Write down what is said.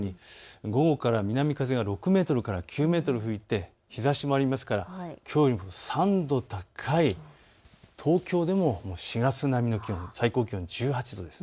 午後から南風が６メートルから９メートル吹いて日ざしもありますから、きょうより３度高い、東京でも４月並みの気温、最高気温１８度です。